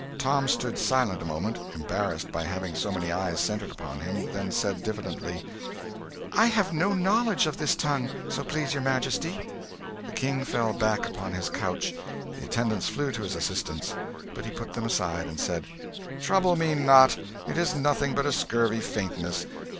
Tom stood silent a moment, embarrassed by having so many eyes centred upon him, then said diffidently "I have no knowledge of this tongue, so please your majesty." The King fell back upon his couch. The attendants flew to his assistance; but he put them aside, and said "Trouble me not it is nothing but a scurvy faintness.